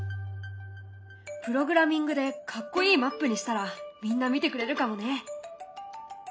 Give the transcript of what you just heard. プログラミングでかっこいいマップにしたらみんな見てくれるかもね。